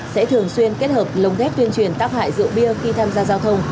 sẽ thường xuyên kết hợp lồng ghép tuyên truyền tác hại rượu bia khi tham gia giao thông